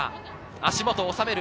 足元に収める。